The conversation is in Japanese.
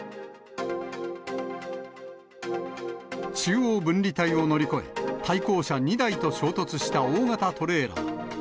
中央分離帯を乗り越え、対向車２台と衝突した大型トレーラー。